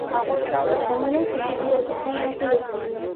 دا شتمنۍ په سعودي عربستان او کویټ کې وې.